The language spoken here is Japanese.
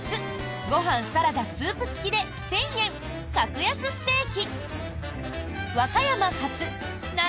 ご飯、サラダ、スープ付きで１０００円、格安ステーキ。